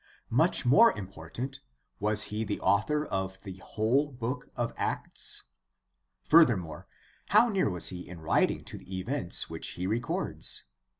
Much more important, was he the author of the whole Book of Acts ? Furthermore, how near was he in writing to the events which he records?